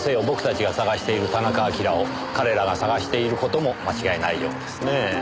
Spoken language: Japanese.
僕たちが捜している田中晶を彼らが捜している事も間違いないようですねえ。